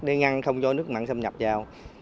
để ngăn không cho nước mặn xâm nhập vào